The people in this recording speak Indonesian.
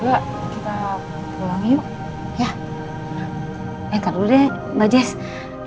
yauda malam gitu udah habis juga